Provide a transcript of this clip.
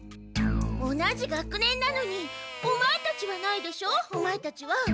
同じ学年なのに「オマエたち」はないでしょ「オマエたち」は。